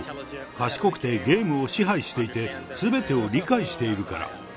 賢くてゲームを支配していて、すべてを理解しているから。